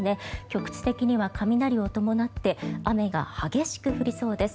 局地的には雷を伴って雨が激しく降りそうです。